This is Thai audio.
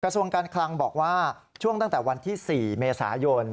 ส่วนการคลังบอกว่าช่วงตั้งแต่วันที่๔เมษายน